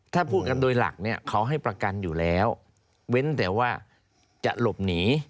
ถ้าพูดกันโดยหลักเนี่ยเขาให้ประกันอยู่แล้วเว้นแต่ว่าจะหลบหนี